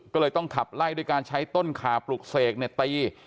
ก็เลยต้องขับไล่ด้วยการใช้ต้นขาปลุกเสกตี